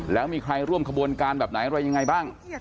แล้วมีใครร่วมขบวนการแบบไหนอะไรยังไงบ้าง